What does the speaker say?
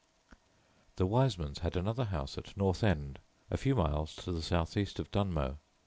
The Wisemans had another house at North End, a few miles to the south east of Dunmow.